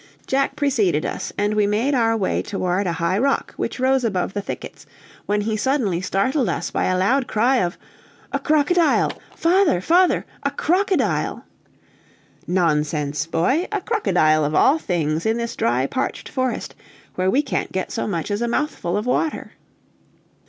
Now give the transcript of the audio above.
Jack preceded us, and we made our way toward a high rock, which rose above the thickets, when he suddenly startled us by a loud cry of "A crocodile! father! father! A crocodile!" "Nonsense, boy! A crocodile, of all things, in this dry, parched forest, where we can't get so much as a mouthful of water!"